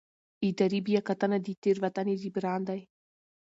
اداري بیاکتنه د تېروتنې جبران دی.